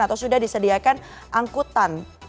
atau sudah disediakan angkutan